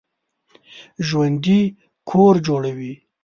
ژوندي کور جوړوي